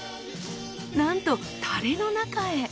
なんとタレの中へ。